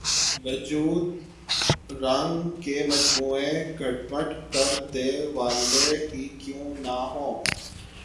وجود رنگ کے مجموعہ گڈ مڈ کر د والے ہی کیوں نہ ہوں